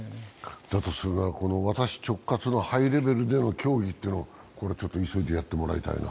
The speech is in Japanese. だとするなら「私直轄のハイレベルでの協議」っていうのを急いでやってもらいたいな。